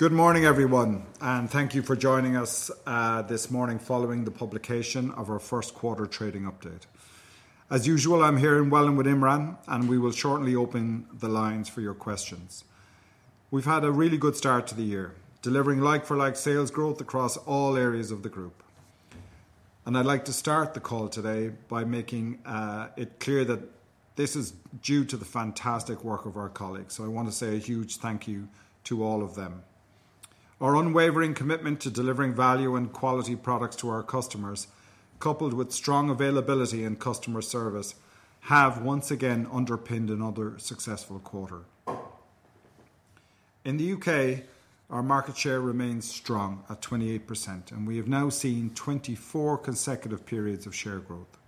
Good morning, everyone, and thank you for joining us this morning following the publication of our first quarter trading update. As usual, I'm here in Welwyn with Imran, and we will shortly open the lines for your questions. We have had a really good start to the year, delivering like-for-like sales growth across all areas of the group. I would like to start the call today by making it clear that this is due to the fantastic work of our colleagues. I want to say a huge thank you to all of them. Our unwavering commitment to delivering value and quality products to our customers, coupled with strong availability and customer service, have once again underpinned another successful quarter. In the U.K., our market share remains strong at 28%, and we have now seen 24 consecutive periods of share growth.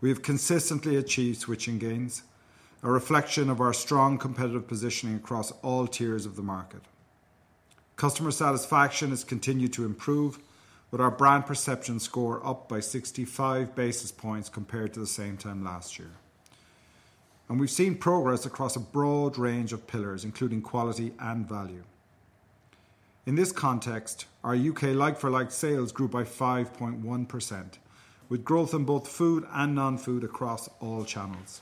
We have consistently achieved switching gains, a reflection of our strong competitive positioning across all tiers of the market. Customer satisfaction has continued to improve, with our brand perception score up by 65 basis points compared to the same time last year. We have seen progress across a broad range of pillars, including quality and value. In this context, our U.K. like-for-like sales grew by 5.1%, with growth in both food and non-food across all channels.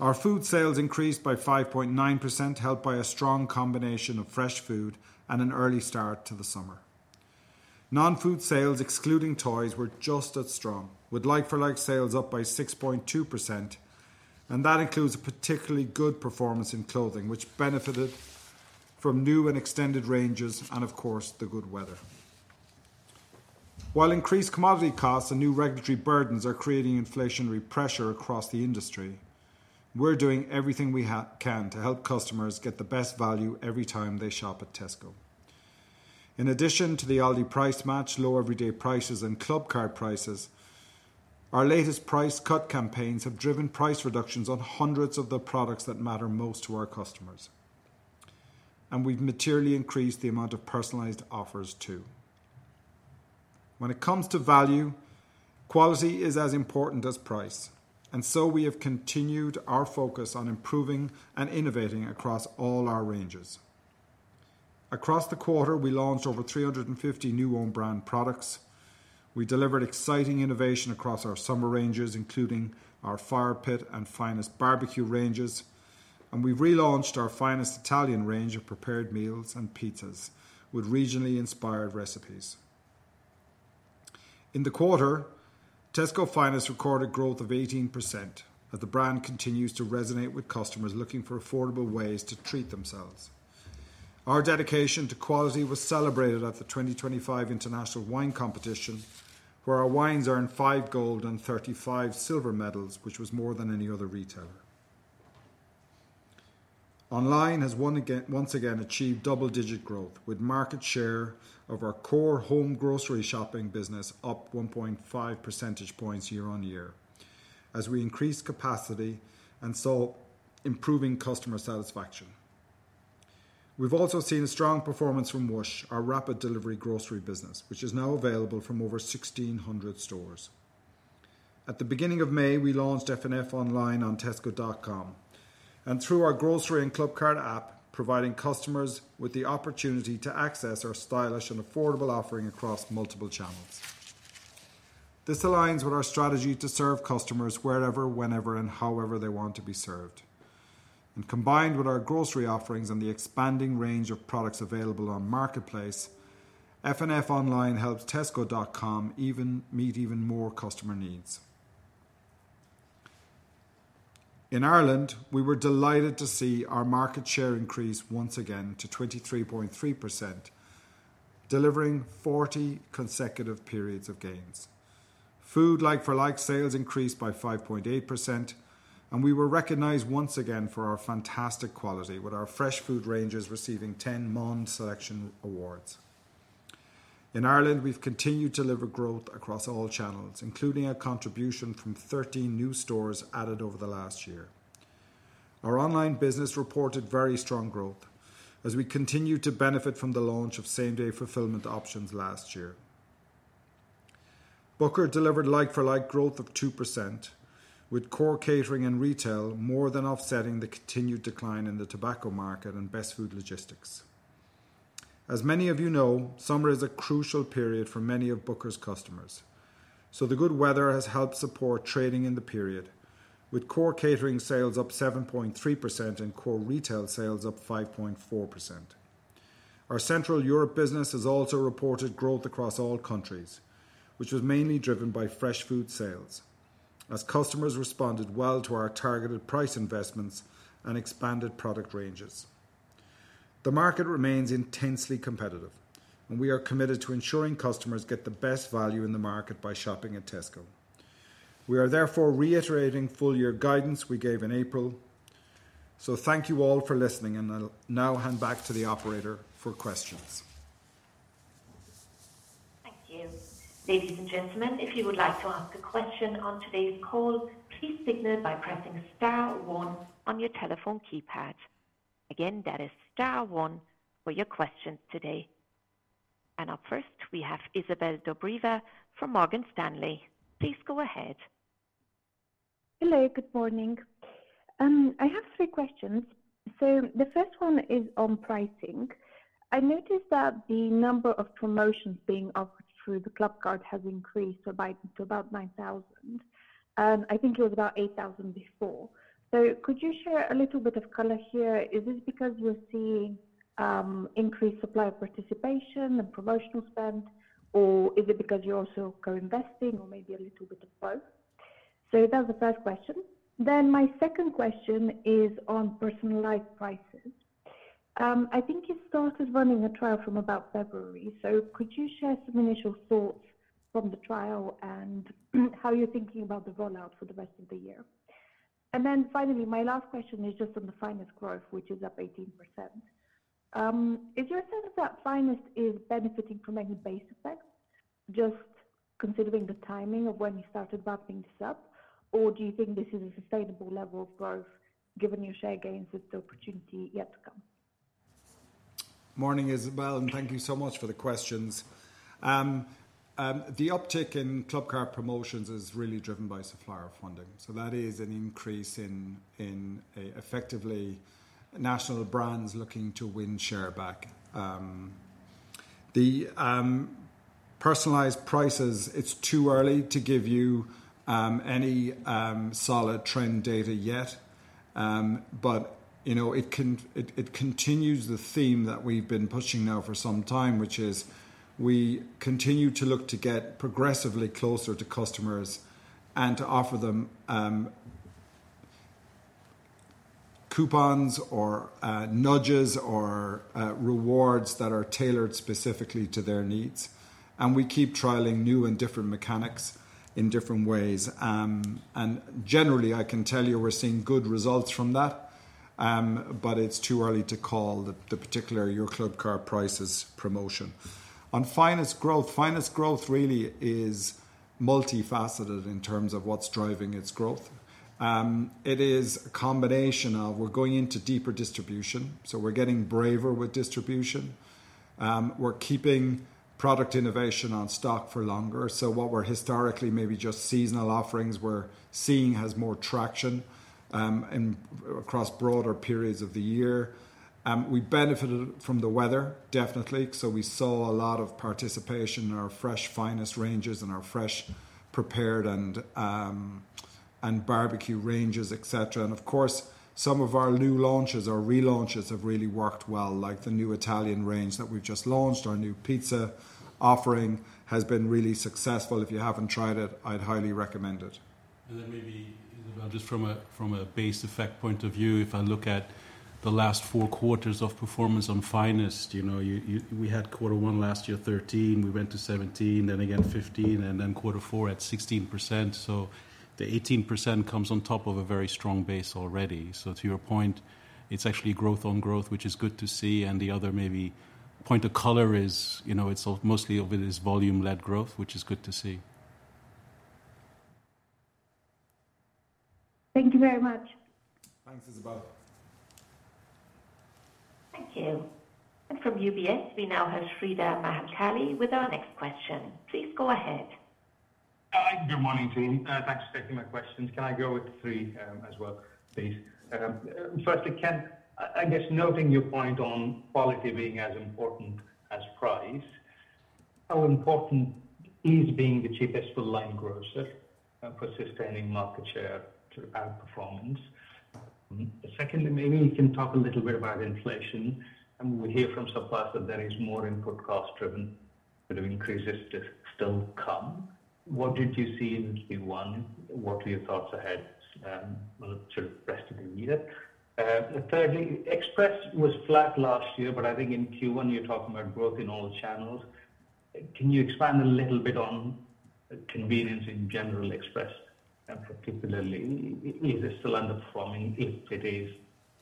Our food sales increased by 5.9%, helped by a strong combination of fresh food and an early start to the summer. Non-food sales, excluding toys, were just as strong, with like-for-like sales up by 6.2%. That includes a particularly good performance in clothing, which benefited from new and extended ranges, and of course, the good weather. While increased commodity costs and new regulatory burdens are creating inflationary pressure across the industry, we're doing everything we can to help customers get the best value every time they shop at Tesco. In addition to the Aldi Price Match, Low Everyday Prices, and Clubcard Prices, our latest price cut campaigns have driven price reductions on hundreds of the products that matter most to our customers. We've materially increased the amount of personalized offers too. When it comes to value, quality is as important as price. We have continued our focus on improving and innovating across all our ranges. Across the quarter, we launched over 350 new owned brand products. We delivered exciting innovation across our summer ranges, including our Fire Pit and Finest Barbecue Ranges. We've relaunched our Finest Italian Range of prepared meals and pizzas with regionally inspired recipes. In the quarter, Tesco Finest recorded growth of 18%, as the brand continues to resonate with customers looking for affordable ways to treat themselves. Our dedication to quality was celebrated at the 2025 International Wine Competition, where our wines earned five gold and 35 silver medals, which was more than any other retailer. Online has once again achieved double-digit growth, with market share of our core home grocery shopping business up 1.5 percentage points year on year, as we increased capacity and saw improving customer satisfaction. We've also seen a strong performance from Whoosh, our rapid delivery grocery business, which is now available from over 1,600 stores. At the beginning of May, we launched F&F Online on tesco.com and through our grocery and Clubcard app, providing customers with the opportunity to access our stylish and affordable offering across multiple channels. This aligns with our strategy to serve customers wherever, whenever, and however they want to be served. Combined with our grocery offerings and the expanding range of products available on Marketplace, F&F Online helps tesco.com meet even more customer needs. In Ireland, we were delighted to see our market share increase once again to 23.3%, delivering 40 consecutive periods of gains. Food like-for-like sales increased by 5.8%, and we were recognized once again for our fantastic quality, with our fresh food ranges receiving 10 Monde Selection Awards. In Ireland, we have continued to deliver growth across all channels, including a contribution from 13 new stores added over the last year. Our online business reported very strong growth as we continued to benefit from the launch of same-day fulfillment options last year. Booker delivered like-for-like growth of 2%, with core catering and retail more than offsetting the continued decline in the tobacco market and Best Food Logistics. As many of you know, summer is a crucial period for many of Booker's customers. The good weather has helped support trading in the period, with core catering sales up 7.3% and core retail sales up 5.4%. Our Central Europe business has also reported growth across all countries, which was mainly driven by fresh food sales, as customers responded well to our targeted price investments and expanded product ranges. The market remains intensely competitive, and we are committed to ensuring customers get the best value in the market by shopping at Tesco. We are therefore reiterating full-year guidance we gave in April. Thank you all for listening, and I'll now hand back to the operator for questions. Thank you. Ladies and gentlemen, if you would like to ask a question on today's call, please signal by pressing star one on your telephone keypad. Again, that is star one for your questions today. Up first, we have Izabel Dobreva from Morgan Stanley. Please go ahead. Hello, good morning. I have three questions. The first one is on pricing. I noticed that the number of promotions being offered through the Clubcard has increased to about 9,000. I think it was about 8,000 before. Could you share a little bit of color here? Is this because we're seeing increased supply of participation and promotional spend, or is it because you're also co-investing or maybe a little bit of both? That was the first question. My second question is on personalized prices. I think you started running a trial from about February. Could you share some initial thoughts from the trial and how you're thinking about the rollout for the rest of the year? Finally, my last question is just on the finest growth, which is up 18%. Is there a sense that Finest is benefiting from any base effects, just considering the timing of when you started ramping this up, or do you think this is a sustainable level of growth given your share gains? Is the opportunity yet to come? Morning, Isabel, and thank you so much for the questions. The uptick in Clubcard promotions is really driven by supplier funding. That is an increase in effectively national brands looking to win share back. The personalized prices, it's too early to give you any solid trend data yet. It continues the theme that we've been pushing now for some time, which is we continue to look to get progressively closer to customers and to offer them coupons or nudges or rewards that are tailored specifically to their needs. We keep trialing new and different mechanics in different ways. Generally, I can tell you we're seeing good results from that, but it's too early to call the particular Your Clubcard Prices promotion. On Finest growth, Finest growth really is multifaceted in terms of what's driving its growth. It is a combination of we're going into deeper distribution. We're getting braver with distribution. We're keeping product innovation on stock for longer. What were historically maybe just seasonal offerings we're seeing has more traction across broader periods of the year. We benefited from the weather, definitely. We saw a lot of participation in our fresh Finest ranges and our fresh prepared and barbecue ranges, etc. Of course, some of our new launches or relaunches have really worked well, like the new Italian range that we've just launched. Our new pizza offering has been really successful. If you haven't tried it, I'd highly recommend it. Maybe, Isabel, just from a base effect point of view, if I look at the last four quarters of performance on Finest, we had quarter one last year 13, we went to 17, then again 15, and then quarter four at 16%. The 18% comes on top of a very strong base already. To your point, it is actually growth on growth, which is good to see. The other maybe point of color is most of it is volume-led growth, which is good to see. Thank you very much. Thanks, Isabel. Thank you. From UBS, we now host Frida Mahakali with our next question. Please go ahead. Hi, good morning, team. Thanks for taking my questions. Can I go with three as well, please? Firstly, Ken, I guess noting your point on quality being as important as price, how important is being the cheapest online grocer for sustaining market share to outperformance? Second, maybe you can talk a little bit about inflation. We hear from suppliers that there is more input cost driven, but increases still come. What did you see in Q1? What are your thoughts ahead for the rest of the year? Thirdly, Express was flat last year, but I think in Q1 you're talking about growth in all channels. Can you expand a little bit on convenience in general Express, particularly? Is it still underperforming? If it is,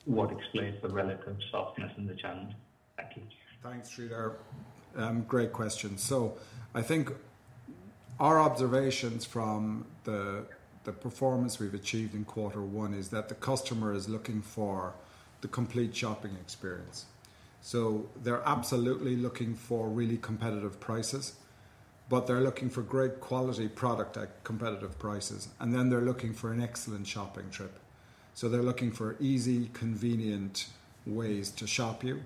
what explains the relative softness in the channels? Thank you. Thanks, Frida. Great question. I think our observations from the performance we've achieved in quarter one is that the customer is looking for the complete shopping experience. They're absolutely looking for really competitive prices, but they're looking for great quality product at competitive prices. They're looking for an excellent shopping trip. They're looking for easy, convenient ways to shop you.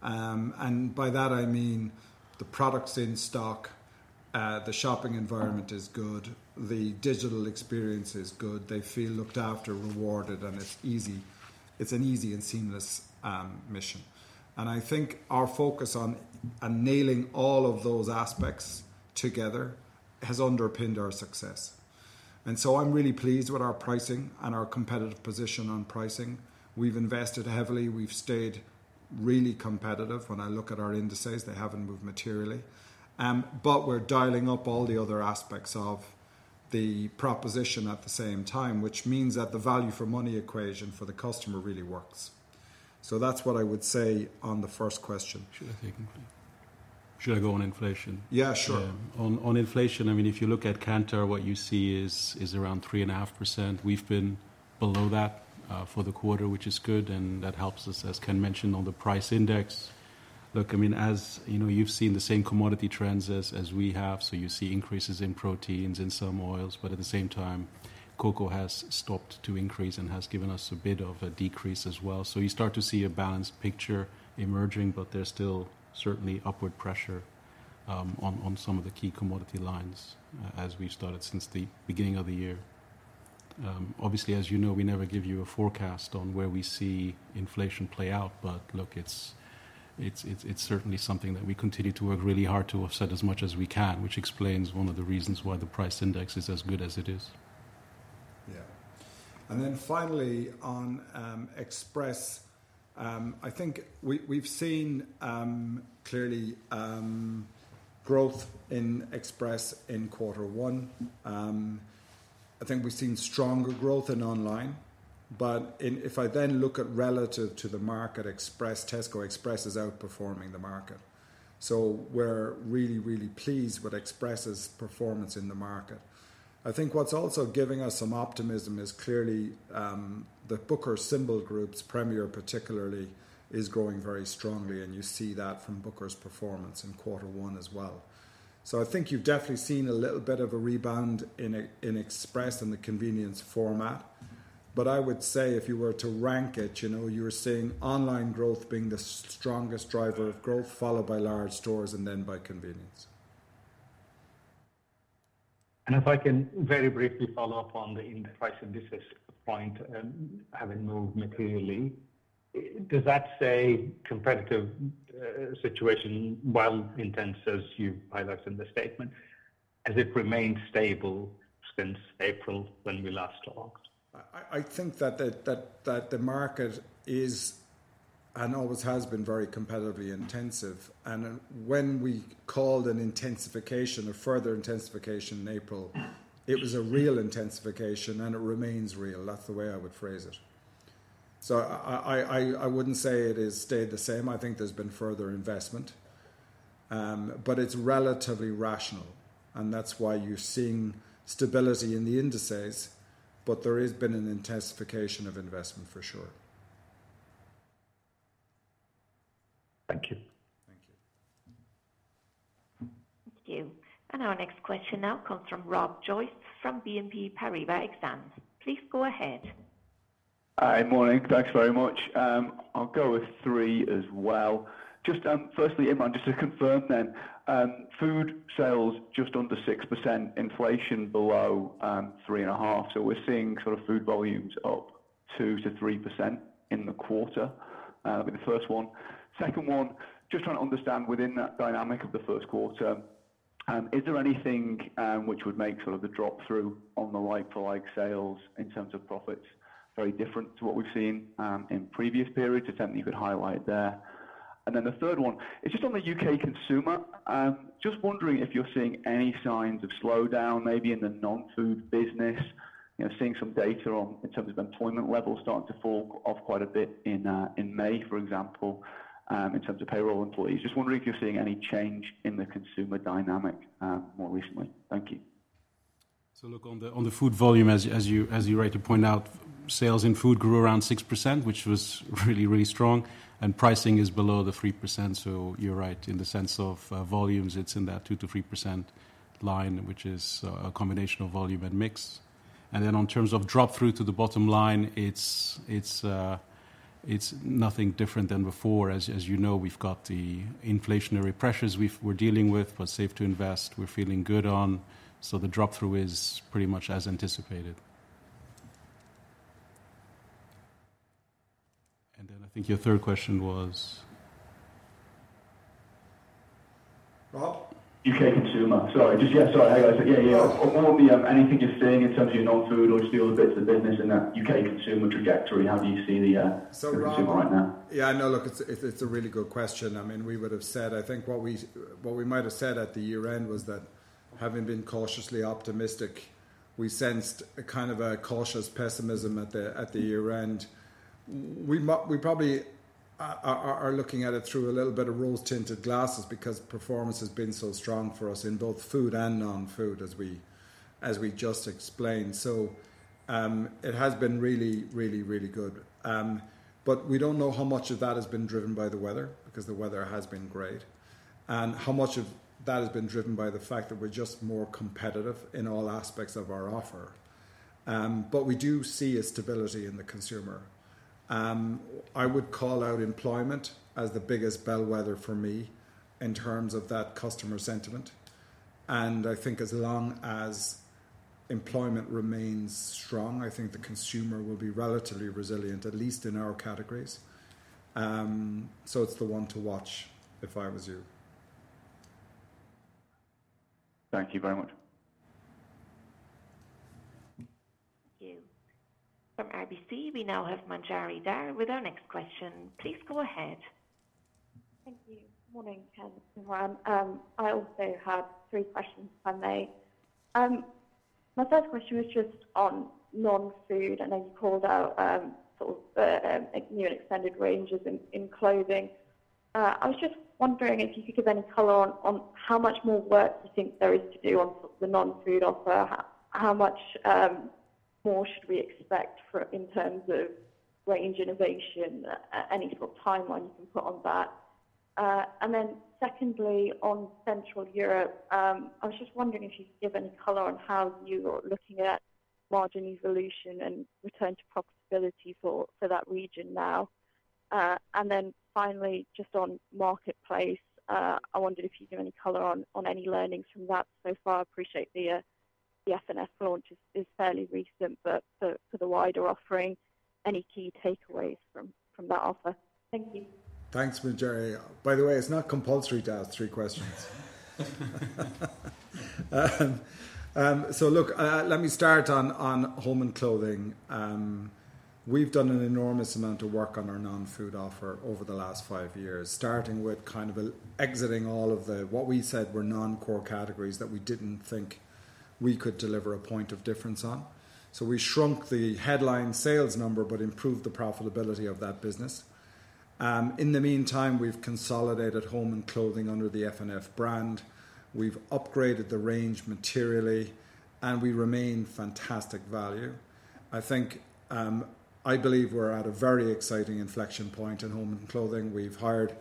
By that, I mean the product's in stock, the shopping environment is good, the digital experience is good, they feel looked after, rewarded, and it's easy. It's an easy and seamless mission. I think our focus on nailing all of those aspects together has underpinned our success. I'm really pleased with our pricing and our competitive position on pricing. We've invested heavily. We've stayed really competitive. When I look at our indices, they haven't moved materially. We're dialing up all the other aspects of the proposition at the same time, which means that the value for money equation for the customer really works. That's what I would say on the first question. Should I take one? Should I go on inflation? Yeah, sure. On inflation, I mean, if you look at Kantar, what you see is around 3.5%. We've been below that for the quarter, which is good. That helps us, as Ken mentioned, on the price index. I mean, as you've seen the same commodity trends as we have. You see increases in proteins, in some oils, but at the same time, cocoa has stopped to increase and has given us a bit of a decrease as well. You start to see a balanced picture emerging, but there's still certainly upward pressure on some of the key commodity lines as we've started since the beginning of the year. Obviously, as you know, we never give you a forecast on where we see inflation play out. Look, it's certainly something that we continue to work really hard to offset as much as we can, which explains one of the reasons why the price index is as good as it is. Yeah. Finally, on Express, I think we've seen clearly growth in Express in quarter one. I think we've seen stronger growth in online. If I then look at relative to the market, Express, Tesco Express is outperforming the market. We are really, really pleased with Express's performance in the market. I think what is also giving us some optimism is clearly the Booker Symbol Group's Premier, particularly, is growing very strongly. You see that from Booker's performance in quarter one as well. I think you've definitely seen a little bit of a rebound in Express and the convenience format. I would say if you were to rank it, you are seeing online growth being the strongest driver of growth, followed by large stores and then by convenience. If I can very briefly follow up on the price indexes point, having moved materially, does that say competitive situation, while intense as you highlight in the statement, has it remained stable since April when we last talked? I think that the market is and always has been very competitively intensive. When we called an intensification, a further intensification in April, it was a real intensification, and it remains real. That is the way I would phrase it. I would not say it has stayed the same. I think there has been further investment, but it is relatively rational. That is why you are seeing stability in the indices, but there has been an intensification of investment for sure. Thank you. Thank you. Thank you. Our next question now comes from Rob Joyce from BNP Paribas Exane. Please go ahead. Hi, morning. Thanks very much. I'll go with three as well. Just firstly, Imran, just to confirm then, food sales just under 6%, inflation below 3.5%. So we're seeing sort of food volumes up 2%-3% in the quarter with the first one. Second one, just trying to understand within that dynamic of the first quarter, is there anything which would make sort of the drop through on the like-for-like sales in terms of profits very different to what we've seen in previous periods? If anything, you could highlight there. The third one, it's just on the U.K. consumer. Just wondering if you're seeing any signs of slowdown maybe in the non-food business, seeing some data on in terms of employment levels starting to fall off quite a bit in May, for example, in terms of payroll employees. Just wondering if you're seeing any change in the consumer dynamic more recently. Thank you. Look, on the food volume, as you are right to point out, sales in food grew around 6%, which was really, really strong. Pricing is below the 3%. You are right in the sense of volumes, it is in that 2%-3% line, which is a combination of volume and mix. In terms of drop through to the bottom line, it is nothing different than before. As you know, we have got the inflationary pressures we are dealing with, but safe to invest, we are feeling good on. The drop through is pretty much as anticipated. I think your third question was. Rob? UK consumer. Sorry. Yeah, sorry. Anything you're seeing in terms of your non-food or just the other bits of the business in that UK consumer trajectory? How do you see the UK consumer right now? Yeah, no, look, it's a really good question. I mean, we would have said, I think what we might have said at the year-end was that having been cautiously optimistic, we sensed a kind of a cautious pessimism at the year-end. We probably are looking at it through a little bit of rose-tinted glasses because performance has been so strong for us in both food and non-food, as we just explained. It has been really, really, really good. We do not know how much of that has been driven by the weather because the weather has been great, and how much of that has been driven by the fact that we're just more competitive in all aspects of our offer. We do see a stability in the consumer. I would call out employment as the biggest bellwether for me in terms of that customer sentiment. I think as long as employment remains strong, I think the consumer will be relatively resilient, at least in our categories. It is the one to watch if I was you. Thank you very much. Thank you. From IBC, we now have Manjari there with our next question. Please go ahead. Thank you. Morning, Ken, Imran. I also had three questions if I may. My first question was just on non-food. I know you called out sort of new and extended ranges in clothing. I was just wondering if you could give any color on how much more work you think there is to do on the non-food offer, how much more should we expect in terms of range innovation, any sort of timeline you can put on that. Secondly, on Central Europe, I was just wondering if you could give any color on how you're looking at margin evolution and return to profitability for that region now. Finally, just on Marketplace, I wondered if you could give any color on any learnings from that so far. I appreciate the F&F launch is fairly recent, but for the wider offering, any key takeaways from that offer? Thank you. Thanks, Manjari. By the way, it's not compulsory to ask three questions. Let me start on home and clothing. We've done an enormous amount of work on our non-food offer over the last five years, starting with kind of exiting all of the what we said were non-core categories that we didn't think we could deliver a point of difference on. We shrunk the headline sales number but improved the profitability of that business. In the meantime, we've consolidated home and clothing under the F&F brand. We've upgraded the range materially, and we remain fantastic value. I believe we're at a very exciting inflection point in home and clothing. We've hired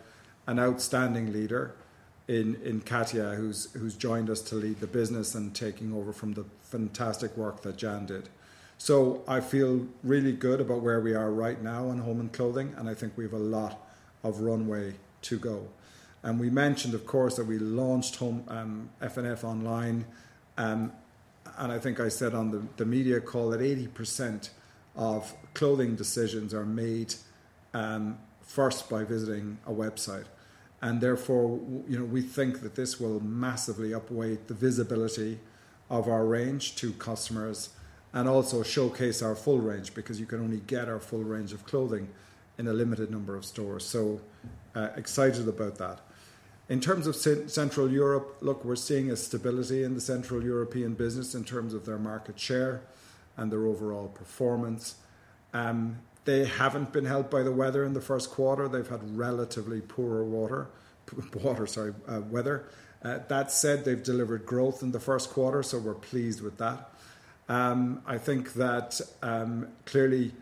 an outstanding leader in Katia who's joined us to lead the business and taking over from the fantastic work that Jan did. I feel really good about where we are right now on home and clothing, and I think we have a lot of runway to go. We mentioned, of course, that we launched F&F Online. I think I said on the media call that 80% of clothing decisions are made first by visiting a website. Therefore, we think that this will massively upweight the visibility of our range to customers and also showcase our full range because you can only get our full range of clothing in a limited number of stores. I am excited about that. In terms of Central Europe, look, we are seeing a stability in the Central European business in terms of their market share and their overall performance. They have not been helped by the weather in the first quarter. They have had relatively poor water, sorry, weather. That said, they've delivered growth in the first quarter, so we're pleased with that. I think that clearly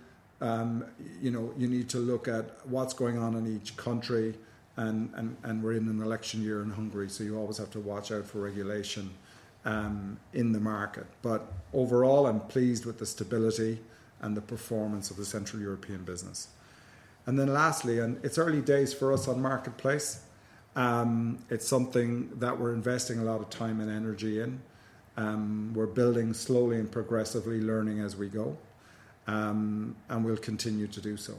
you need to look at what's going on in each country. We're in an election year in Hungary, so you always have to watch out for regulation in the market. Overall, I'm pleased with the stability and the performance of the Central European business. Lastly, and it's early days for us on Marketplace, it's something that we're investing a lot of time and energy in. We're building slowly and progressively, learning as we go, and we'll continue to do so.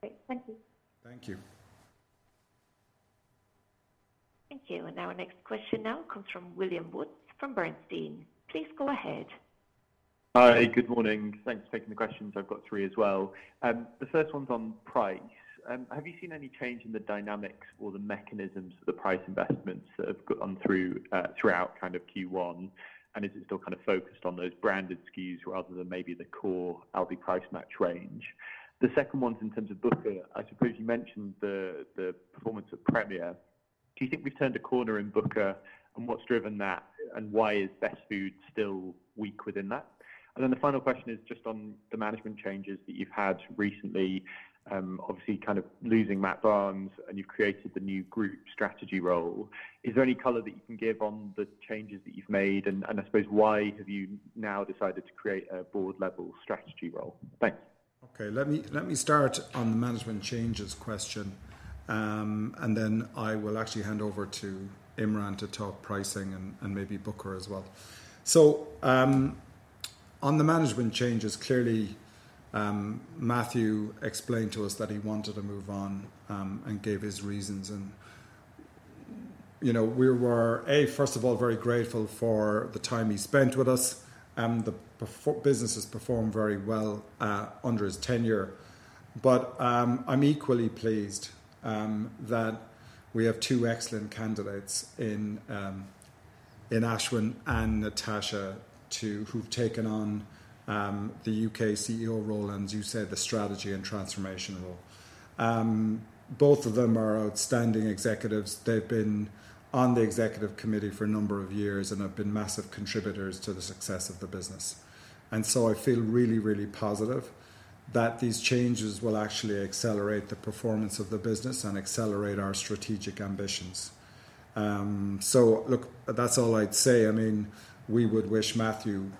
Great. Thank you. Thank you. Thank you. Our next question now comes from William Woods from Bernstein. Please go ahead. Hi, good morning. Thanks for taking the questions. I've got three as well. The first one's on price. Have you seen any change in the dynamics or the mechanisms of the price investments that have gone through throughout kind of Q1? Is it still kind of focused on those branded SKUs rather than maybe the core Aldi Price Match range? The second one's in terms of Booker. I suppose you mentioned the performance of Premier. Do you think we've turned a corner in Booker? What's driven that? Why is Best Food still weak within that? The final question is just on the management changes that you've had recently, obviously kind of losing Matt Barnes, and you've created the new group strategy role. Is there any color that you can give on the changes that you've made? I suppose, why have you now decided to create a board-level strategy role? Thanks. Okay. Let me start on the management changes question. I will actually hand over to Imran to talk pricing and maybe Booker as well. On the management changes, clearly, Matthew explained to us that he wanted to move on and gave his reasons. We were, A, first of all, very grateful for the time he spent with us. The business has performed very well under his tenure. I am equally pleased that we have two excellent candidates in Ashwin and Natasha who have taken on the UK CEO role and, as you said, the strategy and transformation role. Both of them are outstanding executives. They have been on the executive committee for a number of years and have been massive contributors to the success of the business. I feel really, really positive that these changes will actually accelerate the performance of the business and accelerate our strategic ambitions. That's all I'd say. I mean, we would wish Matthew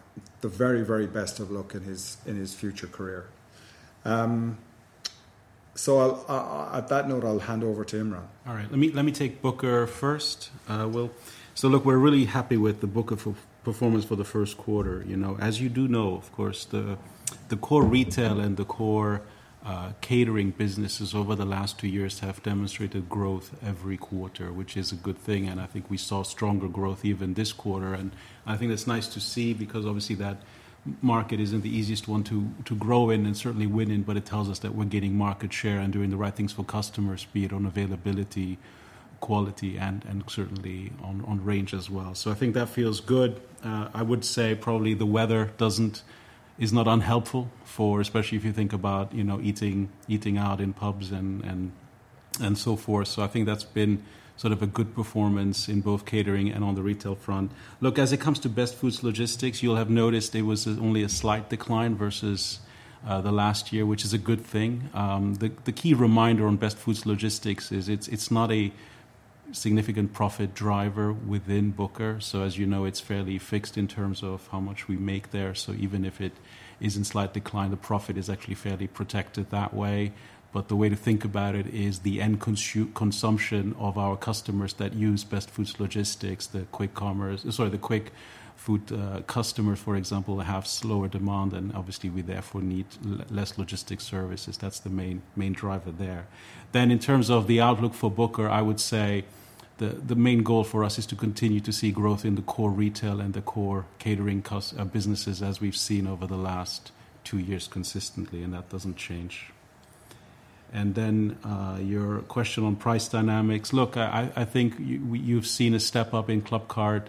the very, very best of luck in his future career. At that note, I'll hand over to Imran. All right. Let me take Booker first. Look, we're really happy with the Booker performance for the first quarter. As you do know, of course, the core retail and the core catering businesses over the last two years have demonstrated growth every quarter, which is a good thing. I think we saw stronger growth even this quarter. I think that's nice to see because obviously that market isn't the easiest one to grow in and certainly win in, but it tells us that we're getting market share and doing the right things for customers, be it on availability, quality, and certainly on range as well. I think that feels good. I would say probably the weather is not unhelpful, especially if you think about eating out in pubs and so forth. I think that's been sort of a good performance in both catering and on the retail front. Look, as it comes to Best Foods Logistics, you'll have noticed there was only a slight decline versus last year, which is a good thing. The key reminder on Best Foods Logistics is it's not a significant profit driver within Booker. As you know, it's fairly fixed in terms of how much we make there. Even if it is in slight decline, the profit is actually fairly protected that way. The way to think about it is the end consumption of our customers that use Best Foods Logistics, the quick commerce, sorry, the quick food customers, for example, have slower demand. Obviously, we therefore need less logistic services. That's the main driver there. In terms of the outlook for Booker, I would say the main goal for us is to continue to see growth in the core retail and the core catering businesses as we have seen over the last two years consistently, and that does not change. Your question on price dynamics, look, I think you have seen a step up in Clubcard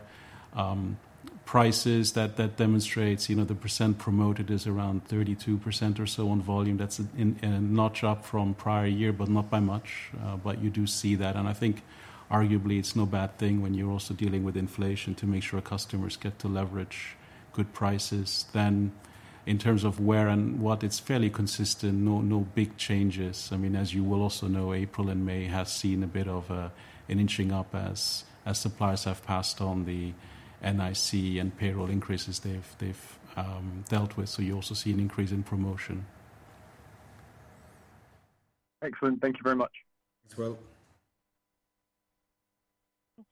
Prices that demonstrates the % promoted is around 32% or so on volume. That is a notch up from prior year, but not by much. You do see that. I think arguably it is no bad thing when you are also dealing with inflation to make sure customers get to leverage good prices. In terms of where and what, it is fairly consistent, no big changes. I mean, as you will also know, April and May have seen a bit of an inching up as suppliers have passed on the NIC and payroll increases they've dealt with. You also see an increase in promotion. Excellent. Thank you very much. Thanks, Will.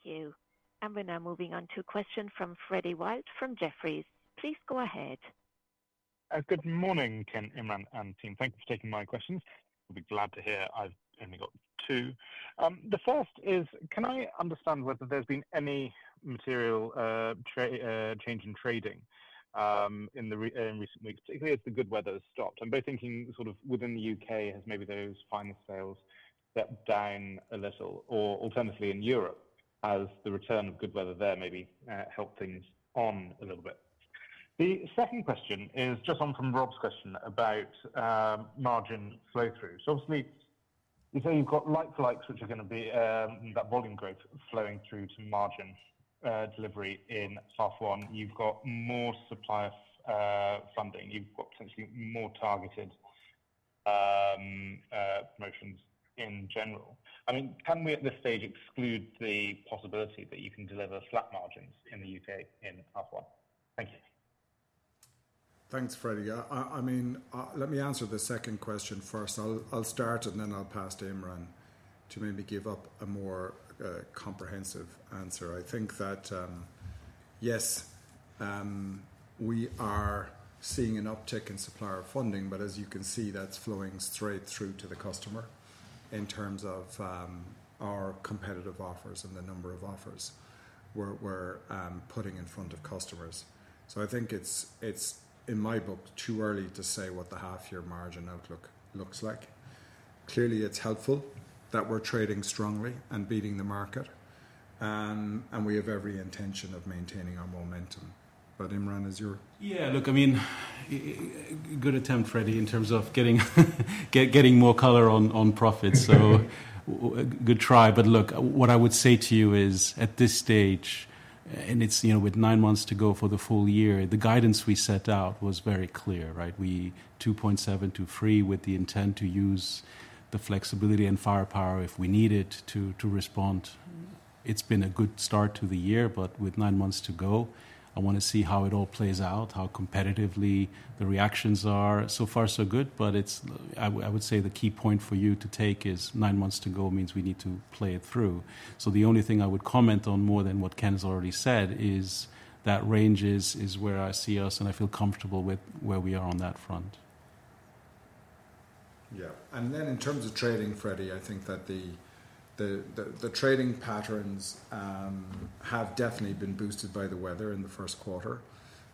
Thank you. We are now moving on to a question from Freddy Wild from Jefferies. Please go ahead. Good morning, Ken, Imran, and team. Thank you for taking my questions. You'll be glad to hear I've only got two. The first is, can I understand whether there's been any material change in trading in recent weeks, particularly as the good weather has stopped? I'm both thinking sort of within the U.K., has maybe those final sales stepped down a little, or alternatively in Europe, has the return of good weather there maybe helped things on a little bit? The second question is just on from Rob's question about margin flow-through. Obviously, you say you've got like-for-likes, which are going to be that volume growth flowing through to margin delivery in half one. You've got more supplier funding. You've got potentially more targeted promotions in general. I mean, can we at this stage exclude the possibility that you can deliver flat margins in the U.K. in half one? Thank you. Thanks, Freddie. I mean, let me answer the second question first. I'll start and then I'll pass to Imran to maybe give a more comprehensive answer. I think that, yes, we are seeing an uptick in supplier funding, but as you can see, that's flowing straight through to the customer in terms of our competitive offers and the number of offers we're putting in front of customers. I think it's, in my book, too early to say what the half-year margin outlook looks like. Clearly, it's helpful that we're trading strongly and beating the market, and we have every intention of maintaining our momentum. Imran, as you're. Yeah, look, I mean, good attempt, Freddie, in terms of getting more color on profits. So good try. But look, what I would say to you is, at this stage, and it's with nine months to go for the full year, the guidance we set out was very clear, right? We 2.7-3 with the intent to use the flexibility and firepower if we need it to respond. It's been a good start to the year, but with nine months to go, I want to see how it all plays out, how competitively the reactions are. So far, so good, but I would say the key point for you to take is nine months to go means we need to play it through. The only thing I would comment on more than what Ken has already said is that ranges is where I see us, and I feel comfortable with where we are on that front. Yeah. In terms of trading, Freddie, I think that the trading patterns have definitely been boosted by the weather in the first quarter.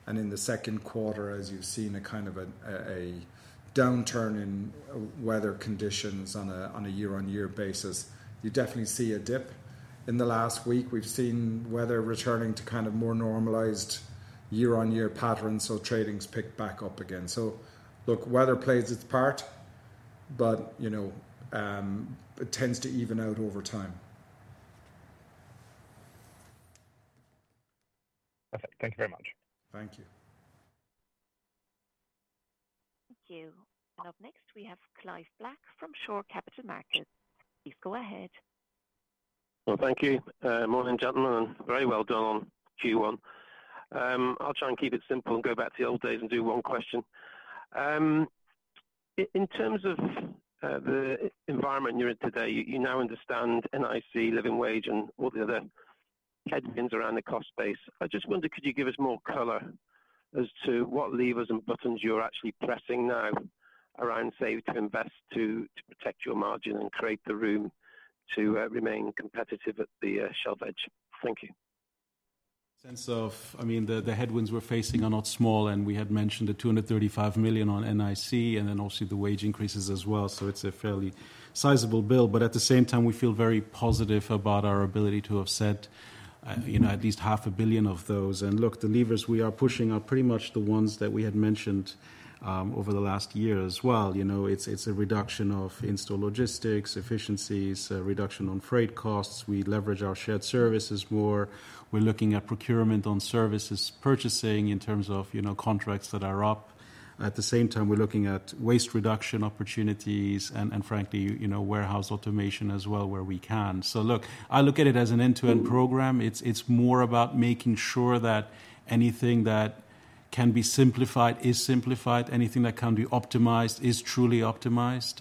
In the second quarter, as you've seen a kind of a downturn in weather conditions on a year-on-year basis, you definitely see a dip. In the last week, we've seen weather returning to kind of more normalized year-on-year patterns, so trading's picked back up again. Weather plays its part, but it tends to even out over time. Perfect. Thank you very much. Thank you. Thank you. Up next, we have Clive Black from Shore Capital Markets. Please go ahead. Thank you, Morgan, gentlemen, and very well done on Q1. I'll try and keep it simple and go back to the old days and do one question. In terms of the environment you're in today, you now understand NIC, living wage, and all the other headwinds around the cost base. I just wondered, could you give us more color as to what levers and buttons you're actually pressing now around, say, to invest, to protect your margin, and create the room to remain competitive at the shelf edge? Thank you. Sense of, I mean, the headwinds we're facing are not small, and we had mentioned the $235 million on NIC and then also the wage increases as well. It is a fairly sizable bill. At the same time, we feel very positive about our ability to have set at least $500 million of those. Look, the levers we are pushing are pretty much the ones that we had mentioned over the last year as well. It is a reduction of in-store logistics, efficiencies, a reduction on freight costs. We leverage our shared services more. We are looking at procurement on services purchasing in terms of contracts that are up. At the same time, we are looking at waste reduction opportunities and, frankly, warehouse automation as well where we can. I look at it as an end-to-end program. It's more about making sure that anything that can be simplified is simplified. Anything that can be optimized is truly optimized.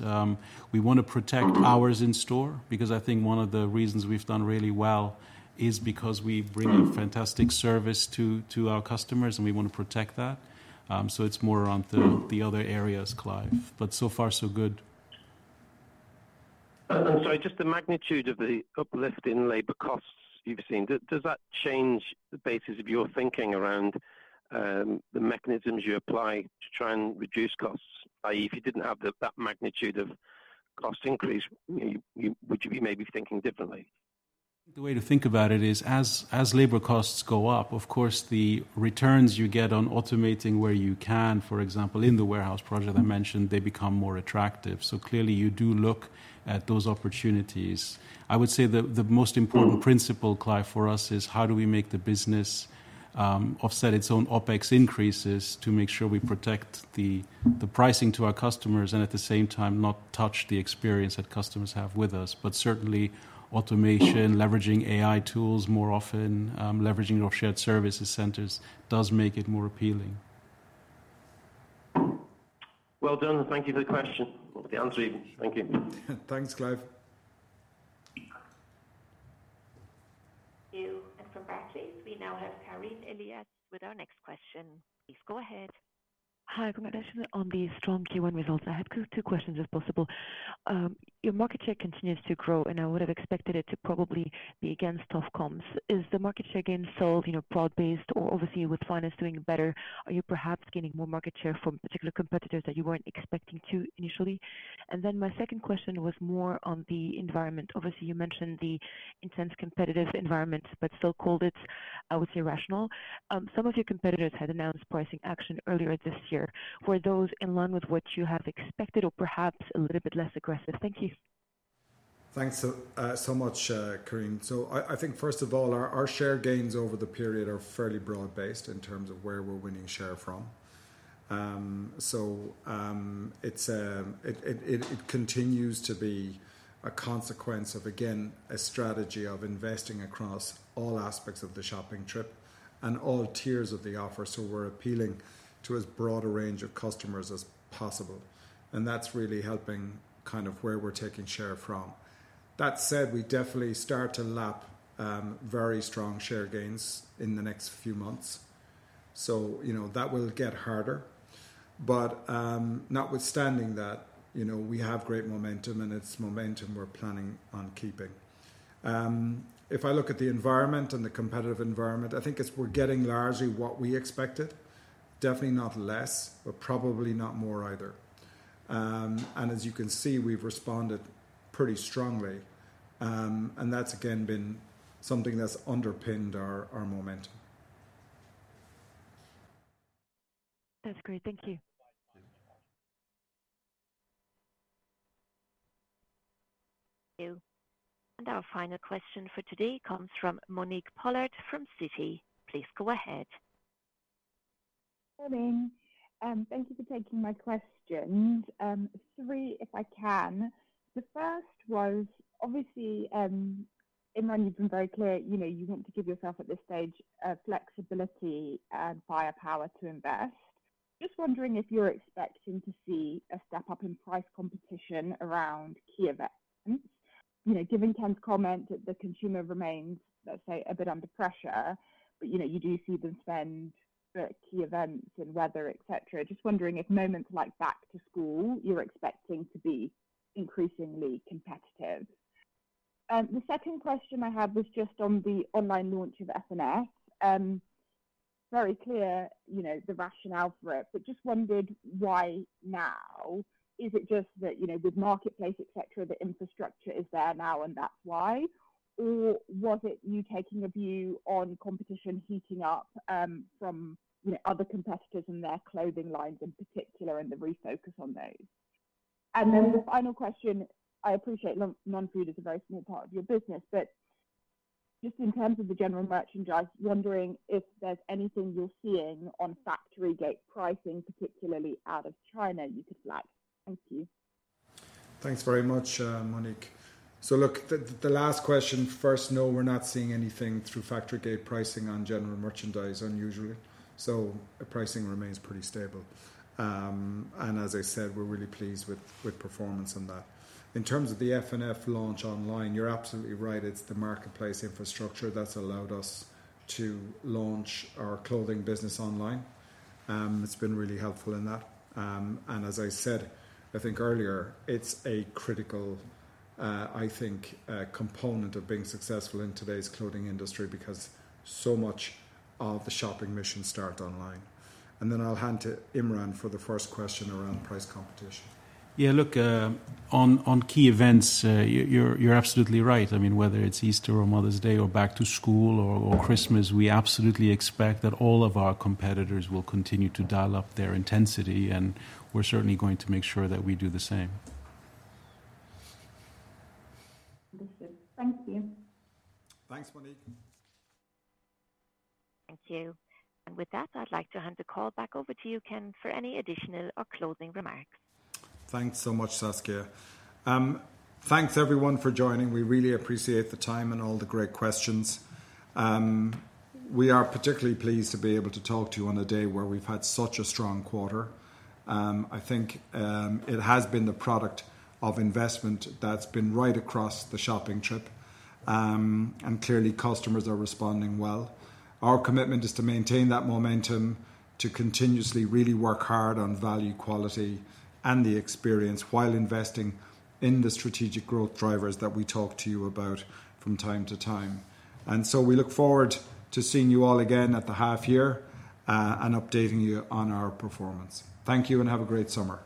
We want to protect hours in store because I think one of the reasons we've done really well is because we bring a fantastic service to our customers, and we want to protect that. It is more around the other areas, Clive. So far, so good. Sorry, just the magnitude of the uplift in labor costs you've seen, does that change the basis of your thinking around the mechanisms you apply to try and reduce costs? If you didn't have that magnitude of cost increase, would you be maybe thinking differently? The way to think about it is, as labor costs go up, of course, the returns you get on automating where you can, for example, in the warehouse project I mentioned, they become more attractive. Clearly, you do look at those opportunities. I would say the most important principle, Clive, for us is how do we make the business offset its own OpEx increases to make sure we protect the pricing to our customers and at the same time not touch the experience that customers have with us. Certainly, automation, leveraging AI tools more often, leveraging our shared services centers does make it more appealing. Done. Thank you for the question. The answer even. Thank you. Thanks, Clive. Thank you. From Barclays, we now have Karine Elias with our next question. Please go ahead. Hi, good afternoon. On the strong Q1 results, I had two questions if possible. Your market share continues to grow, and I would have expected it to probably be against tough comps. Is the market share gained still broad-based or obviously with finance doing better? Are you perhaps gaining more market share from particular competitors that you were not expecting to initially? My second question was more on the environment. Obviously, you mentioned the intense competitive environment, but still called it, I would say, rational. Some of your competitors had announced pricing action earlier this year. Were those in line with what you have expected or perhaps a little bit less aggressive? Thank you. Thanks so much, Karine. I think, first of all, our share gains over the period are fairly broad-based in terms of where we're winning share from. It continues to be a consequence of, again, a strategy of investing across all aspects of the shopping trip and all tiers of the offer. We're appealing to as broad a range of customers as possible. That's really helping kind of where we're taking share from. That said, we definitely start to lap very strong share gains in the next few months. That will get harder. Notwithstanding that, we have great momentum, and it's momentum we're planning on keeping. If I look at the environment and the competitive environment, I think we're getting largely what we expected, definitely not less, but probably not more either. As you can see, we've responded pretty strongly. That's, again, been something that's underpinned our momentum. That's great. Thank you. Thank you. Our final question for today comes from Monique Pollard from Citi. Please go ahead. Morning. Thank you for taking my questions. Three, if I can. The first was, obviously, Imran, you've been very clear. You want to give yourself at this stage flexibility and firepower to invest. Just wondering if you're expecting to see a step up in price competition around key events. Given Ken's comment that the consumer remains, let's say, a bit under pressure, but you do see them spend at key events and weather, etc. Just wondering if moments like back to school, you're expecting to be increasingly competitive. The second question I have was just on the online launch of SNS. Very clear the rationale for it, but just wondered why now? Is it just that with Marketplace, etc., the infrastructure is there now and that's why? Was it you taking a view on competition heating up from other competitors and their clothing lines in particular and the refocus on those? The final question, I appreciate non-food is a very small part of your business, but just in terms of the general merchandise, wondering if there's anything you're seeing on factory gate pricing, particularly out of China, you could flag. Thank you. Thanks very much, Monique. The last question, first, no, we're not seeing anything through factory gate pricing on general merchandise unusually. Pricing remains pretty stable. As I said, we're really pleased with performance on that. In terms of the F&F launch online, you're absolutely right. It's the Marketplace infrastructure that's allowed us to launch our clothing business online. It's been really helpful in that. As I said, I think earlier, it's a critical, I think, component of being successful in today's clothing industry because so much of the shopping mission starts online. I'll hand to Imran for the first question around price competition. Yeah, look, on key events, you're absolutely right. I mean, whether it's Easter or Mother's Day or back to school or Christmas, we absolutely expect that all of our competitors will continue to dial up their intensity, and we're certainly going to make sure that we do the same. Thank you. Thanks, Monique. Thank you. With that, I'd like to hand the call back over to you, Ken, for any additional or closing remarks. Thanks so much, Saskia. Thanks, everyone, for joining. We really appreciate the time and all the great questions. We are particularly pleased to be able to talk to you on a day where we've had such a strong quarter. I think it has been the product of investment that's been right across the shopping trip, and clearly, customers are responding well. Our commitment is to maintain that momentum, to continuously really work hard on value, quality, and the experience while investing in the strategic growth drivers that we talk to you about from time to time. We look forward to seeing you all again at the half year and updating you on our performance. Thank you and have a great summer.